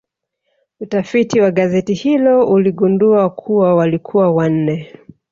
Utafiti wa gazeti hilo uligundua kuwa walikuwa wanne